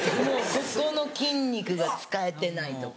ここの筋肉が使えてないとか。